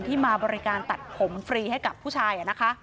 ที่มาบริการตัดผมฟรีให้กับผู้ชาย